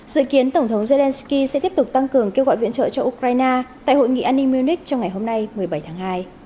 dự kiến tổng thống zelenskyy sẽ tiếp tục tăng cường kêu gọi viện trợ cho ukraine tại hội nghị an ninh munich trong ngày hôm nay một mươi bảy tháng hai